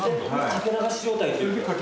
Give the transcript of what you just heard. かけ流し状態というか。